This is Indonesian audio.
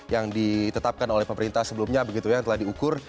yang ditetapkan oleh pemerintah sebelumnya begitu ya yang telah diukur